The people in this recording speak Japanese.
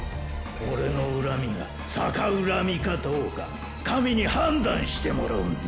オレの恨みが「逆恨み」かどうか神に判断してもらうんだ。